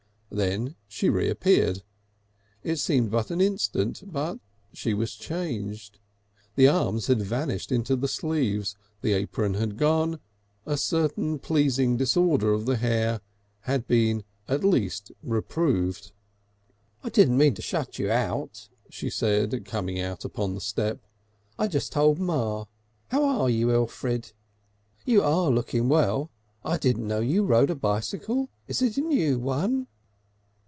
Then she reappeared. It seemed but an instant, but she was changed; the arms had vanished into sleeves, the apron had gone, a certain pleasing disorder of the hair had been at least reproved. "I didn't mean to shut you out," she said, coming out upon the step. "I just told Ma. How are you, Elfrid? You are looking well. I didn't know you rode a bicycle. Is it a new one?"